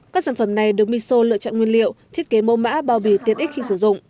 các sản phẩm này được miso lựa chọn nguyên liệu thiết kế mẫu mã bao bì tiện ích khi sử dụng